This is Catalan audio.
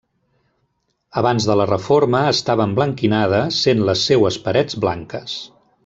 Abans de la reforma estava emblanquinada sent les seues parets blanques.